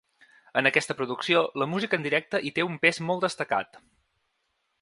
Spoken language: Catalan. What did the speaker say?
En aquesta producció, la música en directe hi té un pes molt destacat.